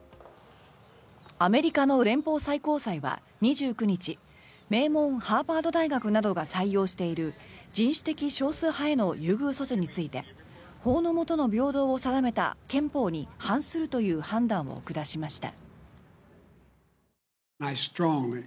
アメリカの連邦最高裁は２９日名門ハーバード大学などが採用している人種的少数派への優遇措置について法のもとの平等を定めた憲法に反するという判断を下しました。